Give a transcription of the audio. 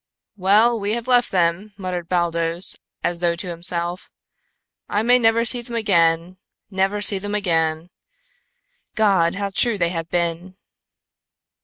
"Well, we have left them," muttered Baldos, as though to himself. "I may never see them again never see them again. God, how true they have been!"